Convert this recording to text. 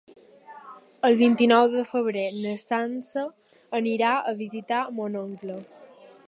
El vint-i-nou de febrer na Sança anirà a visitar mon oncle.